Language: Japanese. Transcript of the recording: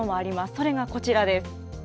それがこちらです。